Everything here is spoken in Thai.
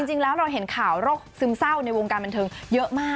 จริงแล้วเราเห็นข่าวโรคซึมเศร้าในวงการบันเทิงเยอะมาก